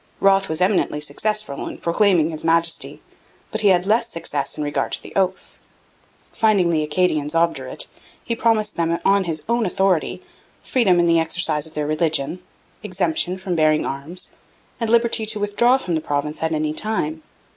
Wroth was eminently successful in proclaiming His Majesty; but he had less success in regard to the oath. Finding the Acadians obdurate, he promised them on his own authority freedom in the exercise of their religion, exemption from bearing arms, and liberty to withdraw from the province at any time.